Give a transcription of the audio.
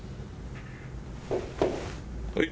はい。